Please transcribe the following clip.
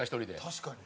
確かに。